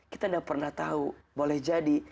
kita tidak pernah tahu boleh jadi